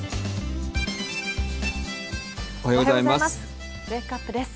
おはようございます。